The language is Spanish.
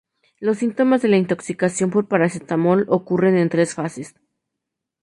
Los síntomas de la intoxicación por paracetamol ocurren en tres fases.